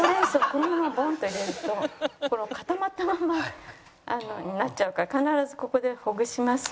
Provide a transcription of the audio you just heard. このままボンと入れると固まったまんまになっちゃうから必ずここでほぐします